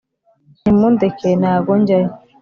nimundeke nago njyayo